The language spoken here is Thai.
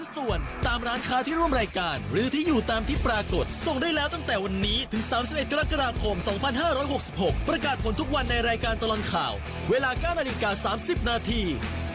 สามสิบนาที